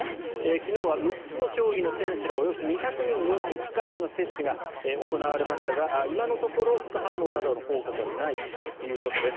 昨日は６つの競技の選手らおよそ２００人に１回目の接種が行われましたが今のところ副反応などの報告はないということです。